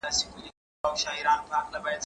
زه اجازه لرم چي لاس پرېولم!؟